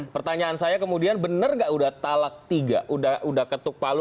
pertanyaan saya kemudian benar nggak udah talak tiga udah ketuk palu